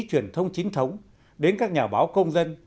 truyền thông chính thống đến các nhà báo công dân